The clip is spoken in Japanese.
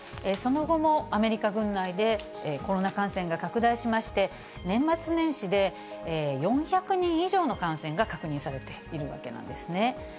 その後もアメリカ軍内でコロナ感染が拡大しまして、年末年始で４００人以上の感染が確認されているわけなんですね。